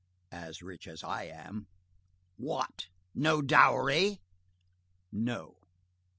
"As rich as I am." "What! No dowry?" "No."